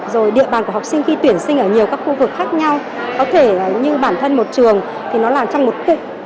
rồi địa bàn của học sinh khi tuyển sinh ở nhiều các khu vực khác nhau có thể như bản thân một trường thì nó làm trong một cái